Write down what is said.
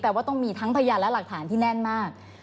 แต่ว่าต้องมีทั้งพยานและหลักฐานที่แน่นมาก